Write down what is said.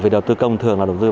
đầu tư công thường là đầu tư